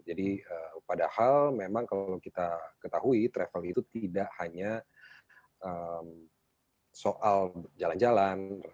jadi padahal memang kalau kita ketahui travel itu tidak hanya soal jalan jalan